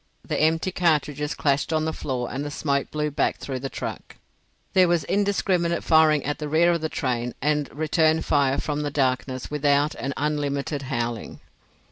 The empty cartridges clashed on the floor and the smoke blew back through the truck. There was indiscriminate firing at the rear of the train, and return fire from the darkness without and unlimited howling.